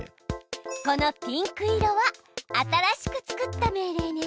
このピンク色は新しく作った命令ね！